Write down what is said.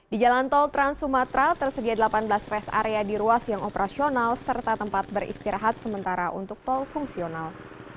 di jalan tol trans sumatera tersedia delapan belas rest area di ruas yang operasional serta tempat beristirahat sementara untuk tol fungsional